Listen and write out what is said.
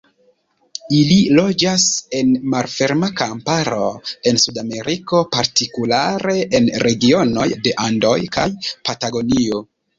Ili loĝas en malferma kamparo en Sudameriko, partikulare en regionoj de Andoj kaj Patagonio.